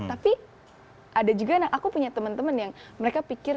tapi ada juga aku punya teman teman yang mereka pikir